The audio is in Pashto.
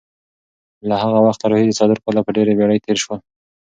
له هغه وخته راهیسې څلور کاله په ډېرې بېړې تېر شول.